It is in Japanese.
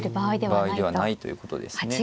場合ではないということですね。